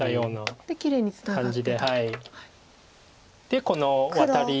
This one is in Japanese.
でこのワタリ。